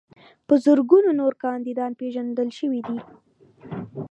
په زرګونو نور کاندیدان پیژندل شوي دي.